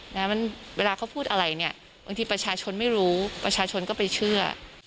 และเวลาเขาพูดอะไรบางทีประชาชนไม่รู้ประชาชนก็ไปเชื่อ